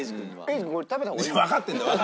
わかってんだよ！